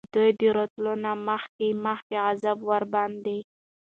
د دوی د ورتلو نه مخکي مخکي عذاب ورباندي